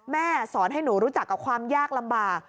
สอนให้หนูรู้จักกับความยากลำบาก